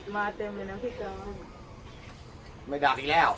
ไม่ดัดอีกแล้วันนั้นแล้ว